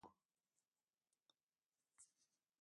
د کارنګي د شتمنۍ د ارزښت له امله اضافه شوي وو.